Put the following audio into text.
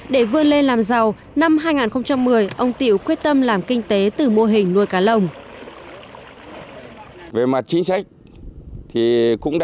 để vươn lên làm giàu năm hai nghìn một mươi ông tiểu quyết tâm làm kinh tế từ mô hình nuôi cá lồng